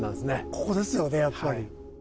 ここですよねやっぱり。